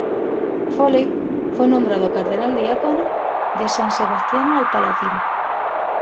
Foley fue nombrado cardenal diácono de "San Sebastiano al Palatino".